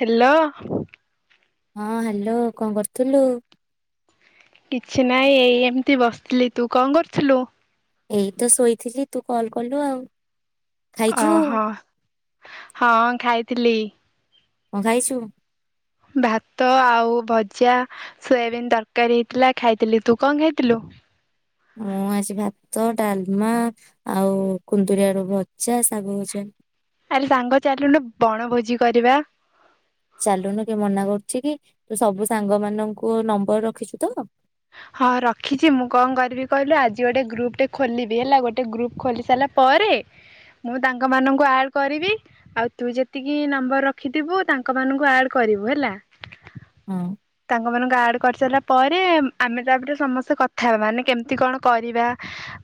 Hello. ହଁ hello କଣ କରୁଥିଲୁ। କିଛି ନାଇଁ ଏଇ ଏମିତି ବସିଥିଲି ତୁ କଣ କରୁଥିଲୁ? ଏଇ ତ ଶୋଇଥିଲି ତୁ କଲ କଲୁ ଆଉ। ଖାଇଛୁ ଓହୋ ହଁ ଖାଇ ଥିଲି। କଣ ଖାଇଛୁ? ଭାତ ଆଉ ଭଜା ସୋୟାବିନ୍ ତରକାରୀ ହେଇଥିଲା ଖାଇଥିଲି ତୁ କଣ ଖାଇଥିଲୁ? ମୁଁ ଆଜି ଭାତ ଡାଲମା ଆଉ କୁନ୍ଦୁରିଆଳୁ ଭଜା ଶାଗ ଭଜା। ଆରେ ସାଙ୍ଗ ଚାଲୁନୁ ବଣଭୋଜି କରିବା। ଚାଲୁନୁ କିଏ ମନା କରୁଛି କି ତୁ ସବୁ ସାଙ୍ଗମାନଙ୍କ ନମ୍ବର ରଖିଛୁ ତ? ହଁ ରଖିଛି ମୁଁ କଣ କରିବି କହିଲୁ ଆଜି ଗୋଟେ ଗ୍ରୁପଟେ ଖୋଲିବି ହେଲା ଗୋଟେ ଗ୍ରୁପ୍ ଖୋଲି ସାରିଲା ପରେ ମୁଁ ତାଙ୍କମାନଙ୍କୁ ଆଡ଼ କରିବି ଆଉ ତୁ ଯେତିକି ନମ୍ବର ରଖିଥିବୁ ତାଙ୍କମାନଙ୍କୁ ଆଡ଼ କରିବୁ ହେଲା। ହଁ। ସାଙ୍ଗ ମାନଙ୍କୁ ଆଡ କରିସାରିଲା ପରେ ଆମେ ତାପରେ ସମସ୍ତେ କଥା ହେବା ମାନେ କେମିତି କଣ କରିବା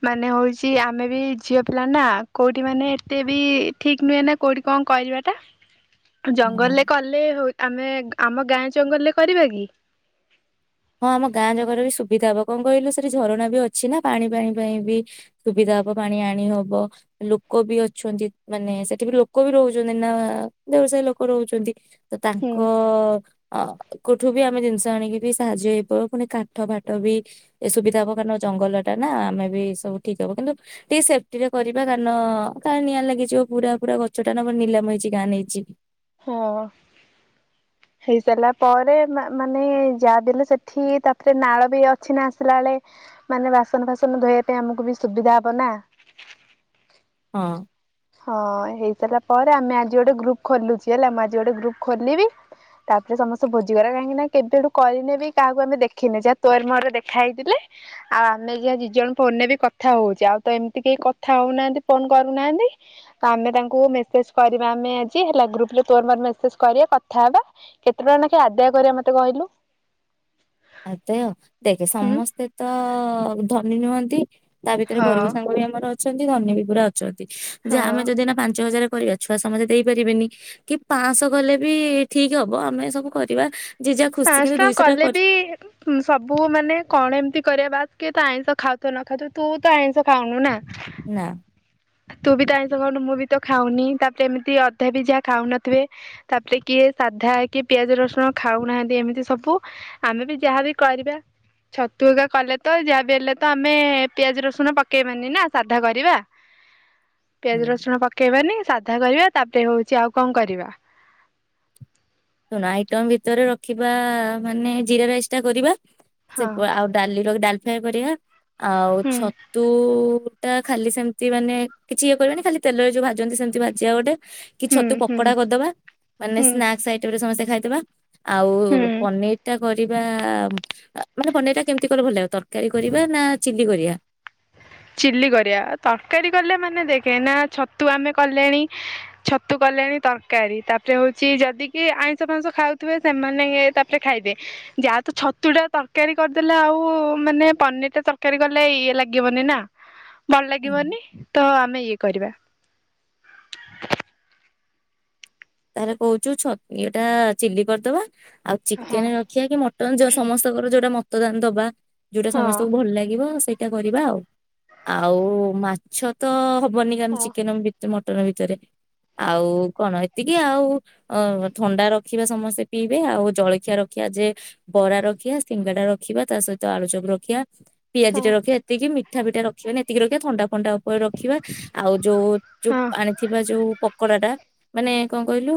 ମାନେ ହଉଛି ଆମେ ବି ଝିଅ ପିଲା ନା କୋଉଠି ମାନେ ଏତେ ବି ଠିକ ନୁହେଁ ନା କୋଉଠି କଣ କରିବାଟା। ହଁ। ଜଙ୍ଗଲରେ କଲେ ହଉ ଆମେ ଆମ ଗାଁ ଜଙ୍ଗଲରେ କରିବା କି? ହଁ ଆମ ଗାଁ ଜଙ୍ଗଲରେ ସୁବିଧା ହବ କଣ କହିଲୁ ସେଠି ଝରଣା ବି ଅଛି ନା ପାଣି ଫାଣି ପାଇଁ ବି ସୁବିଧା ହବ ପାଣି ଆଣି ହବ ଲୋକ ବି ଅଛନ୍ତି ମାନେ ସେଠି ବି ଲୋକ ବି ରହୁଛନ୍ତି ନା ଦେହୁରି ସାଇ ଲୋକ ରହୁଛନ୍ତି। ତ ହୁଁ ତାଙ୍କ ହ କୋଉଠୁ ବି ଆମେ ଜିନିଷ ଆଣିକି ବି ସାହାଯ୍ୟ ହେଇପିବ ପୁଣି କାଠ ଫାଠ ବି ଏ ସୁବିଧା ହବ କାରଣ ଜଙ୍ଗଲ ଟା ନା ଆମେ ବି ସବୁ ଠିକ ହବ କିନ୍ତୁ ଟିକେ ସେଫ୍ଟି ରେ କରିବା କାରଣ କା ନିଆଁ ଲାଗିଯିବ ପୁରା ପୁରା ଗଛଟା ନା ନିଲାମ ହେଇଛି କାଁ ନେଇଯିବ। ହଁ ହେଇ ସାରିଲା ପରେ ମାନେ ଯାହା ବିଲେ ସେଠି ତାପରେ ନାଳ ବି ଅଛି ନା ଆସିଲା ବେଳେ ମାନେ ବାସନ ଫାସନ ଧୋଇବା ପାଇଁ ଆମକୁ ବି ସୁବିଧା ହବ ନା। ହଁ। ହଁ ହେଇସାରିଲା ପରେ ଆମେ ଆଜି ଗୋଟେ ଗ୍ରୁପ ଖୋଲୁଛି ହେଲା ମୁଁ ଆଜି ଗୋଟେ ଗ୍ରୁପ ଖୋଲିବି। ତାପରେ ସମସ୍ତେ ଭୋଜିଗଲା କାହିଁକି ନା କେବେଠୁ କରିନେବି କାହାକୁ ଆମେ ଦେଖିନେ ଯାହା ତୋର ମରେ ଦେଖା ହେଇଥିଲେ। ଆଉ ଆମେ ଯାହା ଦି ଜଣ ଫୋନ ନେବ କଥା ହଉଛେ। ଆଉ ତ ଏମିତି କେହି କଥା ହଉନାହାନ୍ତି ଫୋନ କରୁନାହାନ୍ତି। ଆମେ ତାଙ୍କୁ ମେସେଜ କରିବା ଆମେ ଆଜି ହେଲା ଗ୍ରୁପ୍ପରେ ତୋର ମର ମେସେଜ କରିବା କଥା ହେବା କେତେ ଟଙ୍କା ଲେଖାଏଁ ଆଦାୟ କରିବା ମତେ କହିଲୁ? ଆଦୟ ଦେଖେ ହୁଁ ସମସ୍ତେ ତ ଧନୀ ନିୁଅନ୍ତି। ତା ଭିତରେ ହଁ ଗରିବ ସାଙ୍ଗ ବି ଆମର ଅଛନ୍ତି ଧାନେ ବି ପୁରା ଯେ ହଁ। ଆମେ ଯଦି ନା ପାଞ୍ଚ ହଜାର କରିବା ଛୁଆ ସମସ୍ତେ ଦେଇପାରିବେନି କି ପାଞ୍ଚଶହ କଲେ ବି ଠିକ ହବ ଆମେ ସବୁ କରିବା ଯିଏ ଯାହା ଖୁସି ପାଂଶ କିନ୍ତୁ ଟଙ୍କା ଦୁଇଶହ ଟା କଲେ କରି ବି ସବୁ ମାନେ କଣ ଏମିତି କରିବା ବାସ କି ତା ଆଇଁଷ ଖାଉଥ ନ ଖାଉଥ ତୁ ତ ଆଇଁଷ ଖାଉନୁ ନା। ନା। ତୁ ବି ତ ଆଇଁଷ ଖାଉନୁ ମୁ ବି ତ ଖାଉନି ତାପରେ ଏମିତି ଅଧା ବି ଯାହା ଖାଉନଥିବେ ।ତାପରେ କିଏ ସାଧା କି ପିଆଜ ରସୁଣ ଖାଉନାହାନ୍ତି। ଏମିତି ସବୁ ଆମେ ବି ଯାହାବ କରିବା ଛତୁଗା କଲେ ତ ଯାହା ବି ହେଲେ ତ ଆମେ ପିଆଜ ରସୁଣ ପକେଇବାନି ନା ସାଧା କରିବା। ପିଆଜ ହୁଁ ରସୁଣ ପକେଇବାନି ସାଧା କରିବା ତାପରେ ହଉଛି ଆଉ କଣ କରିବା? ଶୁଣ ଆଇଟମ ଭିତରେ ରଖିବା ମାନେ ଜିରା ରାଇସ୍ ଟା କରିବା। ସେ ହଁ ଆଉ ଡାଲି ର ଡାଲି କରିଆ ଆଉ ହୁଁ ଛତୁ ତା ଖାଲି ସେମିତି ମାନେ କିଛି ଇଏ କରିବାନି ଖାଲି ତେଲରେ ଯୋଉ ଭାଜନ୍ତି ସେମିତି ଭଜିବା ଗୋଟେ କି ହୁଁ ଛତୁ ହୁଁ ପକୋଡା କରିଦବା ମାନେ ହୁଁ ସ୍ନାକ୍ ସମସ୍ତେ ଖାଇଥିବା। ଆଉ ହୁଁ ପନିର ଟା କରିବା ମାନେ ପନିର ଟା କେମିତି କରିବା ଭଲ ଲାଗୁଛି। ତରକାରୀ କରିବା ନା ଚିଲି କରିବା। ଚିଲ୍ଲି କରିବା। ତରକାରୀ କଲେ ମାନେ ଦେଖେ ନା ଛତୁ ଆମେ କଲେଣି ଛତୁ କଲେଣି ତରକାରୀ ତାପରେ ହଉଛି ଯଦି କିି ଆଇଁଷ ଫାଁଇସ ଖାଉଥିବେ ସେମାନେ ତାପରେ ଖାଇବେ ଯାହା ତ ଛତୁ ଟା ତରକାରୀ କରିଦେଲେ ଆଉ ମାନେ ପନିର ଟା ତରକାରୀ କଲେ ଇଏ ଲାଗିବନି ନା। ଭଲ ଲାଗିବନି ତ ଆମେ ଇଏ କରିବା ତାରେ କହୁଛୁ ଛ ଏଇଟା ଚିଲି କରିଦବା। ଆଉ ହଁ। ଚିକେନ ରଖିବା କି ମଟନ୍ ଯୋଉ ସମସ୍ତଙ୍କର ଯୋଉଟା ଦନ୍ତ ବା ଯୋଉଟା ହଁ। ସମସ୍ତଙ୍କୁ ଭଲ ଲାଗିବ ସେଇ ଏ କରିବା ଆଉ ଆଉ ମାଛ ତ ବନି ଗମ ହଁ ଚିକନ ବି ଣ ଭିତରେ ଆଉ କଣ ଏ ଟିକେ ଆଉ ଅ ଥଣ୍ଡା ରଖିବା ସମସ୍ତେ ପିଇବେ ଆଉ ଜଳଖିଆ ରଖିବା ଯେ ବରା ରଖିବା ସିଙ୍ଗା ଟା ରଖିବା ତା ସହିତ ଆଳୁ ଚବୁ ରଖିବା। ପିଆଜି ହଁ। ଟା ରଖି ଏତିକି ମି ପଠାିଟାଖିବେ ଏକି ରଖିବାଥଣ୍ଡା। ଟା ଉପରେ ରଖିବା ଆଉ ଯୋଉ ଯୋଉ ହଁ। ଆଣିଥିବା ଯୋଉ ପକୋଡା ଟା। ମାନେ କଣ କହିଲୁ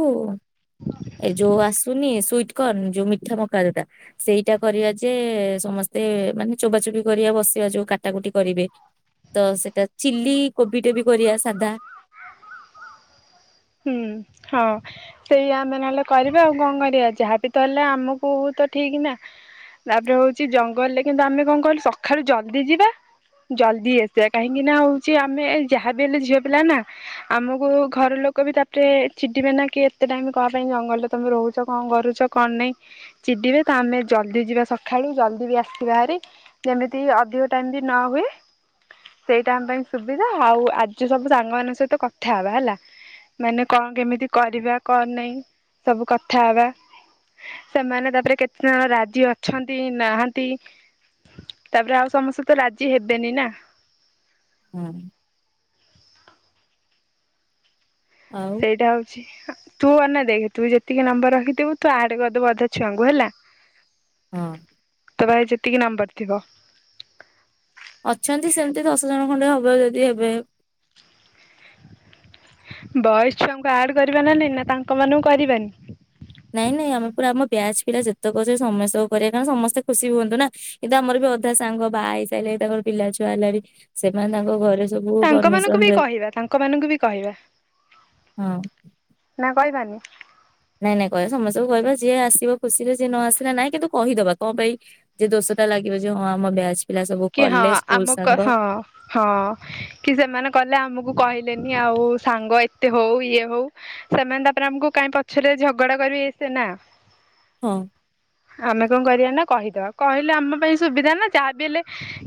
ଏ ଯୋଉ ଆସୁନି ସୁଵିଟକର୍ଣ୍ଣ ଯୋଉ ମିଠା ମକାଦଟା ସେଇଟା କରିବା ଯେ ସମସ୍ତେ ମାନେ ଚୋବାଚୋବି କରିବା ବସିବା ଯୋଉ କାଟାକୁଟି କରିବେ ତ ସେଇଟା ଚିଲି କୋବି ଟେ ବି କରିବା ସାଧା। ହୁଁ ହଁ ସେଇ ଆମେ ନହେଲେ କରିବା ଆଉ କଣ କରିବା ଯାହାବ ତ ହେଲେ ଆମକୁ ତ ଠିକ ନା ତାପରେ ହଉଛି ଜଙ୍ଗଲରେ କିନ୍ତୁ ଆମେ କଣ କିଲୁ ସକାଳୁ ଜଲଦି ଯିବା ଜଲଦି ଆସିବା କାହିଁକି ନା ହଉଛି ଆମେ ଯାହାବି ହେଲେ ଝିଅ ପିଲା ନା ଆମକୁ ଘର ଲୋକ। ଲୋକ ବି ତାପରେ ଚିଡିବେ ନା କି ଏତେ ଟାଇମ କ ପାଇଁ ଜଙ୍ଗଲରେ ତମେ ରହୁଛ କଣ କରୁଛ କଣ ନାହିଁ ଚିଡିବେ ତ ଆମେ ଜଲଦି ଯିବା ସକାଳୁ ଜଲଦି ବି ଆସିବା ଭାରି ଯେମିତି ଅଧିକ ଟାଇମ ବି ନ ହୁଏ ସେଇ ଟାଇମ ପାଇଁ ସୁବିଧା ଆଉ ଆଜି ସବୁ ସାଙ୍ଗମାନଙ୍କ ସହିତ କଥା ହବା ହେଲା। ମାନେ କଣ କେମିତି କରିବା କଣ ନାହିଁ ସବୁ କଥା ହବା ସେମାନେ ତାପରେ କେତେ ଜଣ ରାଜି ଅଛନ୍ତି ନାହାନ୍ତି ତାପରେ ଆଉ ସମସ୍ତେ ତ ରାଜି ହେବେନି ନା। ହୁଁ ଆଉ ସେଇଟା ହଉଛି। ତୁ ଅେ ଦେଖ ତୁ ଯେତିକି ନମ୍ବର ରଖିଦିବୁ ତୁ ଆଡ କରିଦେବୁ ଅଧା ଛୁଆଙ୍କୁ ହେଲା। ହଁ ତ ଭାଇ ଯେତିକି ନମ୍ବର। କିିବା ଅଛନ୍ତି ସେମିତି ଦଶ ଜଣ ଖଣ୍ଡେ ହବଉ ଯଦି ଏବେ। ବୟସ ଛୁଆଙ୍କୁ ଆଡ କର ନ ନା ତାଙ୍କ ମାନଙ୍କୁ କରିବାନି। ନାଇଁ ନାଇଁ ଆମେ ପୁରା ଆମ ବ୍ୟାଜ ପିଲା ଯେତେକଛ ସମସ୍ତଙ୍କୁ କରିବା କାରଣ ସମସ୍ତେ ଖୁସି ହୁଅନ୍ତୁ ନା କିନ୍ତୁ ଆମର ବି ଅଧା ସାଙ୍ଗ ବାହା ହେଇସାରିଲ ତାଙ୍କର ପିଲା ଛୁଆ ହେଲା ବି ସେମାନେ ତାଙ୍କ ଘରେ। ସବୁ ତାଙ୍କ ପରମିସନ ମାନଙ୍କୁ ବି ଦେଲେ କହିବା ତାଙ୍କ ମାନଙ୍କୁ ବି କହିବା। ହଁ ଭାଇବାନୀ। ନାଇଁ ନାଇଁ କହିବା ସମସ୍ତଙ୍କୁ କହିବା ଯିଏ ଆସିବ ଖୁସିରେ ଯିଏ ନ ଆସିଲା ନାଇଁ କିନ୍ତୁ କହିଦବା କଣ ପାଇଁ ଯେ ଦୋଷଟା ଲାଗିବ ଯେ ହଁ ଆମ ବ ଆ। କି ହଁ ଆମକୁ ହଁ ହଁ କି ସେମାନେ କଲେ ଆମକୁ କହିଲେ। ଆଉ ସାଙ୍ଗ ଏତେ ହଉ ଇଏ ହଉ ସେମାନେ ତାପରେ ଆମକୁ କାଇଁ ପଛରେ ଝଗଡା କରିବେସେ ନା। ହଁ ଆମେ କଣ କରିବା ନା। କହିଦବା କହିଲେ ଆମ ପାଇଁ ସୁବିଧା ନା। ଯାହା ବି ହେଲେ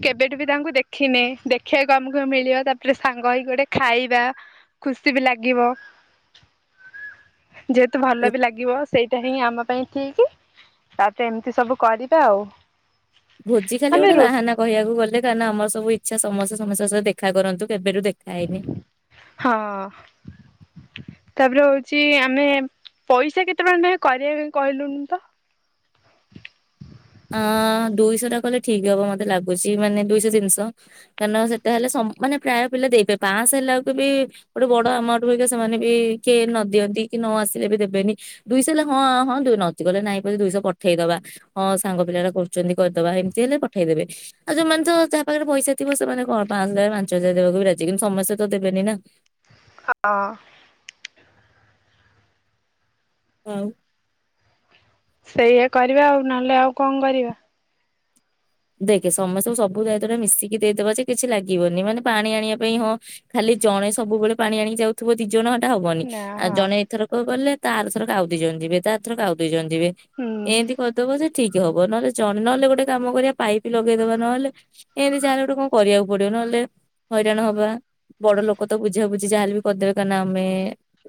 କେବେଠୁ ବି ତାଙ୍କୁ ଦେଖିନି ଦେଖିବାକୁ ଆମକୁ ମିଳିବ ତାପରେ ସାଙ୍ଗ ହେଇକି ଗୋଟେ ଖାଇବା ଖୁସି ବି ଲାଗିବ। ଯେହେତୁ ଭଲ ବି ଲାଗିବ ସେଇଟା ହିଁ ଆମ ପାଇଁ। ଠ କି ତା ତ ଏମିତି ସବୁ କରିବା ଆଉ। ଭୋଜି ଖାଲି ଆମେ ଗୋଟେ ରୋଷ ବାହାନା କିବାକୁ ଗଲେ କାର ନା ଆମର ସବୁ ଇଚ୍ଛା ସମସ୍ତେ ସମସ୍ତେ ଦେଖା କରନ୍ତୁ। କେବେ ର ଦେଖା ହେଇବି ହଁ ତାପରେ ହଉଛି ଆମେ ପଇସା କେତେ ଟ ଭ କରିବା ପାଇଁ କହିଲୁନି ତ ଅ ଦୁଇଶହ ଟା କହିଲଲେ ଠିକ ହବ ମତେ ଲାଗୁଛି ମାନେ ଦୁଇଶହ ତିନିଶହ କାରଣ ସେଟା ହେଲେ ମାନେ ପ୍ରାୟ ପିଲା ଦେଇବେେ ପାଞ୍ଚଶହ ହେଲାକୁ ବି ଗୋଟେ ବଡ ଆମାଉଣ୍ଟ ହୁକ ସେମାନେ ବି କିଏ ନଦିଅନ୍ତି କି ନ ଆସିଲେ ବି ଦେବେନି ଦୁଇଶହ ହେଲେ ହଁ ହଁ ନଚ କଲେ ନାଇଁ ପ ଦୁଇଶହ ପଠେଇଦବା ହଁ। ସାଙ୍ଗ ପିଲା ଟା କରୁଛନ୍ତି କରିଦବା ଏମିତି ହେଲେ ପଠେଇଦେବେ ଆଉ ଯୋଉମାନେ ତ ଯାହା ପାଖରେ ପଇସା ଥିବ ସେମାନେ କଣ ପାଞ୍ଚ ହଜାର ପାଞ୍ଚ ହଜାର ଦେବାକୁ ବି ରାଜି କିନ୍ତୁ ସମସ୍ତେ ତ ଦେବେନି ନା ହଁ ହଉ ସେଇଆା କରିବା ଆଉ ନହେଲେ ଆଉ କଣ କରିବା? ଦେଖେ ସମସ୍ତଙ୍କୁ ସବୁ ଦାୟିତ୍ୱଟା ମିଶିକି ଦେଇଦବା ଯେ କିଛି ଲାଗିବନି ମାନେ ପାଣି ଆଣିବା ପାଇଁ ହଁ ଖାଲି ଜଣେ ସବୁବେଳେ ପାଣି ଆଣିକି ଯାଉଥିବ ଦି ଜଣ ହବନି ନା ଆଉ ହଁ ଜଣେ ଏଇଥର କ ଗଲେ। ତ ଥର କାଉ ଦେଇଛନ୍ତି ବେ ତ ଥର କାଉ ଦେଇଛନ୍ତି। ଯିବେ ହୁଁ। ଏମିତି କରିଦବ ସେ ଠିକ୍ ହବ ନହେଲେ ଜଣେ ନହେଲେ ଗୋଟେ କାମ କରିବା। ପାଇପ ଲଗେଇଦବା ନହେଲେ ଏମିତି ଯାହେଲେ ଗୋଟେ କଣ କରିବାକୁ ପଡିବ ନହେଲେ ହଇରାଣ ହବା, ବଡ ଲୋକ ତ ବୁଝା ବୁଝି ଯାହାଲେ ବି କରିଦେବେ କାଇନା ଆମେ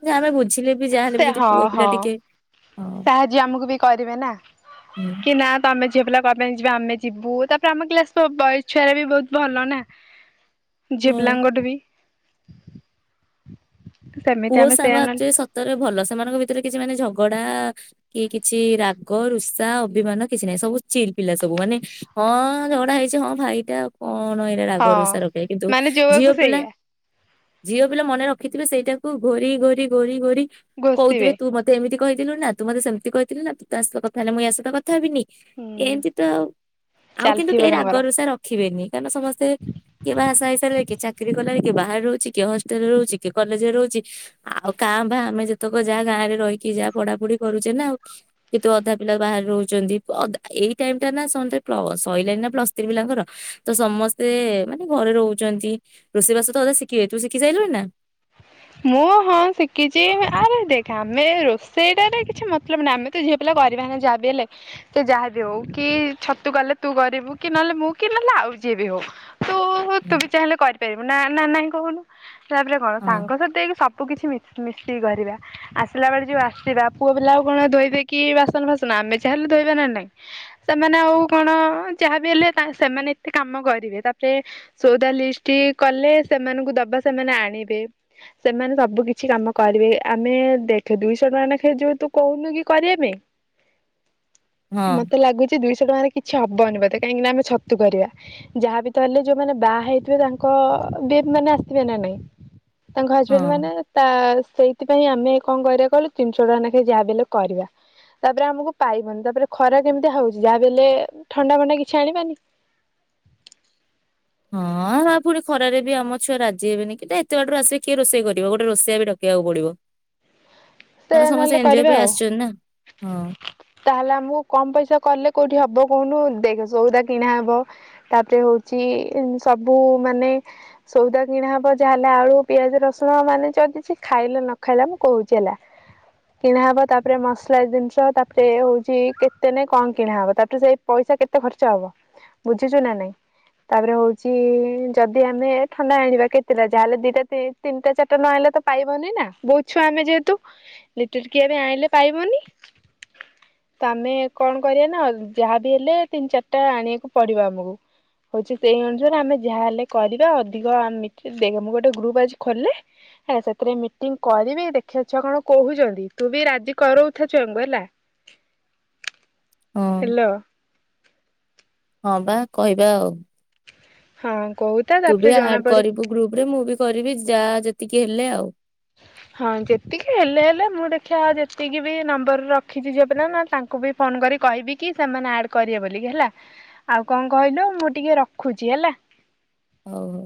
ଯ ଆମେ ବୁଝିଲେ। ଯାହା ହେଲେ ବି ସେ ଯଦି ପୁଅ ହଁ ପିଲା ହଁ ଟିକେ। ହଁ ସାହାଯ୍ୟ ଆମକୁ ବି କରିବେ ନା ହୁଁ। କି ନା ତମେ ଝିଅ ପିଲା କଣ ପାଇଁ ଯିବା ଆମେ। ଯିବୁ ତାପରେ ଆମ କ୍ଲାସ ବଏସ ଛୁଆ ଗୁରା ବି ବହୁତ ଭଲ ନା। ଝିଅ ହୁଁ। ପିଲାଙ୍କ ଠୁ ବି। ସେମିତି ପୁଅ ଆମେ ସାଙ୍ଗ ସେଇଆ ନହେଲେ ଆକଚୁଆଲି ସତରେ ଭଲ ସେମାନଙ୍କ ଭିତରେ କିଛି ମାନେ ଝଗ୍ ଝଗଡା କି କିଛି ରାଗ ରୁଷା ଅଭିମାନ କିଛି ନାହିଁ ସବୁ ଚିଲ ପିଲା ସବୁ ମାନେ ହଁ ଝଗଡା ହେଇଛି ହଁ ଭାଇଟା। କଣ ଏଇଟା ହଁ। ରାଗରୁଷା ରଖିବେ କିନ୍ତୁ ମାନେ ଯୋଉଆକୁ ଝିଅ ପିଲା ସେଇଆ ଝିଅ ପିଲା ମନେ ରଖିଥିବେ ସେଇଟା। ଘୋରି ଘୋରି ଘୋରି ଘୋରି। କହୁଥିବେ ଘୋଷିବେ ତୁ ମତେ ଏମିତି। କହିଥିଲୁ ନା ତୁ ମତେ ସେମିତି କହିଥିଲୁ ନା ତୁ ତା ସହିତ କଥା ହେଲେ ମୁଁ ୟା ସହିତ କଥା। ଥା ହେବିିନି ହୁଁ ଏମିତି ତ ଆଉ କିନ୍ତୁ ଚାଲିଥିବ କେହି ତାଙ୍କର। ରାଗରୁସା ରଖିବେନି। କାରଣ ସମସ୍ତେ କିଏ ବାହା ସାହା ହେଇସାରିଲେ କି ଚାକିରି କଲାଣି କିଏ ବାହାରେ ରହୁଛି କିଏ ହଷ୍ଟେଲରେ ରହୁଛି କିଏ କଲେଜରେ ରହୁଛି । ଆଉ କାଁ ଭାଁ ଆମେ ଯେତେକ ଯାହା ଗାଁ ରେ ରହିକି ଯାହା ପଢାପଢି କରୁଛେ ନାଉ କିନ୍ତୁ ଅଧା ପିଲା ବାହାରେ ରହୁଛନ୍ତି ଅଧ୍ ଏଇ ଟାଇମ ଟା ନା ସମସ୍ତେ ସରିଲାଣି ନା ପ୍ଲସ୍ ଥ୍ରି ପିଲାଙ୍କର ତ ସମସ୍ତେ ମାନେ ଘରେ ରହୁଛନ୍ତି, ରୋଷେଇ ବାସ ତ ଅଧା ଶିଖିବେ ତୁ ଶିଖି ସାଇଲୁଣି ନା? ମୁଁ ହଁ ଶିଖିଛି ଆରେ ଦେଖ ଆମେ ରୋଷେଇଟାରେ କିଛି ମତଲବ ନାହିଁ ଆମେ ତ ଝିଅ ପିଲା କରିବା ହେଲେ ନା ଯାହାବି ହେଲେ ସେ ଯାହାବି ହଉ କି ଛତୁ କଲେ ତୁ କରିବୁ କି ନହେଲେ ମୁଁ କି ନହେଲେ ଆଉ ଯିଏ ବି ହଉ। ତୁ ତୁ ହଁ ବି ଚାହିଁଲେ କରିପାରିବୁ। ନା ନ ନାଁ କହୁନୁ। ହିସାବରେ କଣ ହଁ ସାଙ୍ଗ ସ। ସବୁ କିଛି ମିସ୍ ମିଶିକି କରିବା ଆସିଲା ବେଳେ ଯୋଉ ଆସିବା ପୁଅ ପିଲା ଆଉ କଣ ଧୋଇବେ କି ବାସନ ଫାସନ ଆମେ ଯାହା ହେଲେ ଧୋଇବା ନା ନହିଁ ସେମାନେ ଆଉ କଣ ଯାହାବି ହେଲେ ସେମାନେ ଏତେ କାମ କରିବେ ତାପରେ ସଉଦା ଲିଷ୍ଟ କଲେ ସେମାନଙ୍କୁ ଦବା ସେମାନେ ଆଣିବେ। ସେମାନେ ସବୁ କିଛି କାମ କରିବେ ଆମେ ଦେଖେ ଦୁଇଶହ ଟଙ୍କା ଲେଖାଏ ଯୋଉ ତୁ କହୁନୁ କି କରିବା ପାଇଁ। ମତେ ଲାଗୁଛି ଦୁଇ। ଦୁଇ ଶହ ଟଙ୍କା ରେ କିଛି ହବନି ବୋଧେ କାହିଁକି ନା ଆମେ ଛତୁ କରିବା ଯାହାବିତ ହେଲେ ଯୋଉମାନେ ବାହା ହେଇଥିବେ ତାଙ୍କ ବେନ ମାନେ ଆସିଥିବେ ନା ନାଇଁ। ତାଙ୍କ ହଜବେଣ୍ଡ ହଁ। ମାନେ ତା ସେଇ। ସେଥିପାଇଁ ଆମେ କଣ କରିବା କହିଲୁ ତିନିଶହ ଟଙ୍କା ନେଖାଇ ଯାହା ବି ହେଲେ କରିବା ତାପରେ ଆମକୁ ପାଇବନି ତାପରେ ଖରା କେମିତି ହଉଛି ଯାହାବି ହେଲେ ଥଣ୍ଡା ଫଣ୍ଡା କିଛି ଆଣିବାନି। ହଁ ଆ ପୁଣି ଖରାରେ ବି ଆମ ଛୁଆ ରାଜି ହେବେନି କିଟ ଏତେ ବାଟୁ ଆସିଲେ କିଏ ରୋଷେଇ କରିବ ଗୋଟେ ରୋଷେଇଆ ବି ଡକିବାକୁ ପଡିବ। ସେ କାରଣ ସମସ୍ତେ ନହେଲେ ଏଞ୍ଜୟ କରିବା ପାଇଁ ଆଉ ଆସିଛନ୍ତି ନା। ହଁ ତାହେଲେ ଆମକୁ କମ ପଇସା କଲେ କୋଉଠି ହବ। କହୁନୁ ଦେଖ ସଉଦା କିଣାହବ ତାପରେ ହଉଛି ସବୁ ମାନେ ସଉଦା କିଣା ହବ ଯାହାହେଲେ ଆଳୁ ପିଆଜ ରସୁଣ ମାନେ ଯିଏ କିଛି ଖାଇଲେ ନ ଖାଇଲା ମୁଁ କହୁଛି ହେଲା। କିଣାହବ ତାପରେ ମସଲା ଜିନିଷ ତାପରେ ହଉଛି କେତେ ନାଇ କଣ କିଣାହବ ତାପରେ ସେଇ ପଇସା କେତେ ଖର୍ଚ୍ଚ ହବ ବୁଝୁଛୁ ନା ନାଇଁ ତାପରେ ହଉଛି ଯଦି ଆମେ ଥଣ୍ଡା ଆଣିବା କେତେଟା ଯାହାହେଲେ ଦିଟା ତିନିଟା ଚାରିଟା ନ ଆଣିଲେ ତ ପାଇବନି ନା ବହୁତଛୁଆ ଆମେ ଯେହେତୁ। ଲିଟର କିଆ ବି ଆଣିଲେ ପାଇବନି ତ ଆମେ କଣ କରିବା ନା ଯାହାବି ହେଲେ ତିନି ଚାରିଟା ଆଣିବାକୁ ପଡିବ ଆମକୁ, ହଉଛି ସେଇ ଅନୁସାରେ ଆମେ ଯାହାହଲେ କରିବା ଅଧିକ ଆମେ, ମୁଁ ଗୋଟେ ଗ୍ରୁପ ଆଜି ଖୋଲେ ସେଥିରେ ମିଟିଂ କରିବି ଦେଖିବି। ଛୁଆ କଣ କହୁଛନ୍ତି ତୁ ବି ରାଜି କରଉଥା ଛୁଆଙ୍କୁ ହେଲା। ହଁ ହ୍ୟାଲୋ ହଁ ବା କହିବା ଆଉ। ହଁ କହୁଥା ତୁ ତାପରେ ବି ଜଣା ଆଡ ପଡିବ। କରିବୁ ଗ୍ରୁପ ରେ ମୁଁ ବି କରିବି ଯାହା ଯେତିକି। ହେଲେ ଆଉ। ହଁ ଯେତିକି ହେଲେ ହେଲେ ମୁଁ ଦେଖିବା ଯେତିକି ବି ନମ୍ବର ରଖିଛି ଝିଅ ପିଲ ନା ତାଙ୍କୁ ବି ଫୋନ କରି କହିବି କି ସେମାନେ ଆଡ କରିବେ ବୋଲିକି ହେଲା ଆଉ କଣ କହିଲୁ ମୁଁ ଟିକେ ରଖୁଛି ହେଲା। ହଉ ହଉ